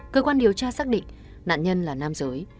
cơ quan điều tra xác định nạn nhân là nam giới